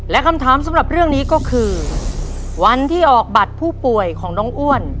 และคำถามสำหรับเรื่องนี้ก็คือวันที่ออกบัตรผู้ป่วยของน้องอ้วน